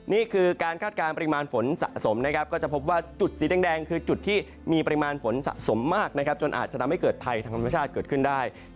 นี่คือการคาดการณ์ปริมาณฝนสะสมนะครับก็จะพบว่าจุดสีแดงคือจุดที่มีปริมาณฝนสะสมมากนะครับจนอาจจะทำให้เกิดภัยทางธรรมชาติเกิดขึ้นได้